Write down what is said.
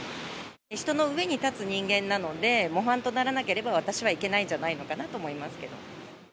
人の上に立つ人間なので、模範とならなければ、私はいけないんじゃないのかなと思いますけど。